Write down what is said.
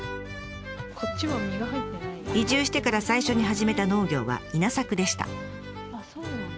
移住してから最初に始めた農業は稲作でした。